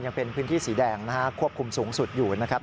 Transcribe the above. ยังเป็นพื้นที่สีแดงนะฮะควบคุมสูงสุดอยู่นะครับ